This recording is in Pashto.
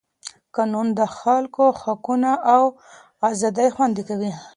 قانون د خلکو حقونه او ازادۍ خوندي کوي.